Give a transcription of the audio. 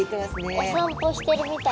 お散歩してるみたい。